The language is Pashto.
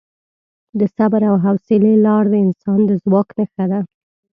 د صبر او حوصلې لار د انسان د ځواک نښه ده.